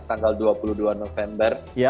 tanggal dua puluh dua november